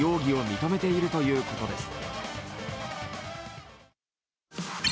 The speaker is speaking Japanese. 認めているということです。